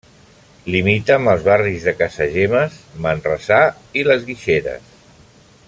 Limita amb els barris de Casagemes, Manresà i Les Guixeres.